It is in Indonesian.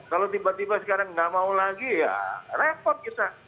kalau tiba tiba sekarang nggak mau lagi ya repot kita